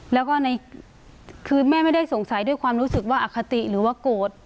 แล้วก็ในคือแม่ไม่ได้สงสัยด้วยความรู้สึกว่าอคติหรือว่าโกรธ